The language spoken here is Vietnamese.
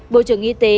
bộ trưởng y tế